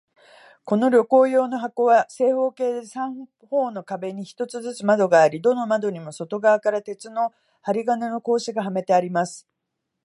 この旅行用の箱は、正方形で、三方の壁に一つずつ窓があり、どの窓にも外側から鉄の針金の格子がはめてあります。